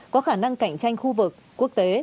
có khả năng cạnh tranh khu vực quốc tế